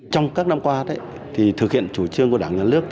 trong các năm qua thực hiện chủ trương của đảng nhân lước